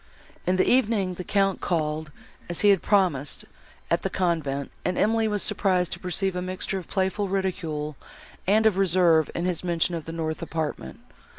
In the evening, the Count called, as he had promised, at the convent, and Emily was surprised to perceive a mixture of playful ridicule and of reserve in his mention of the north apartment.